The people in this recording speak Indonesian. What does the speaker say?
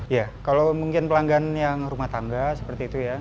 ya kalau mungkin pelanggan yang rumah tangga seperti itu ya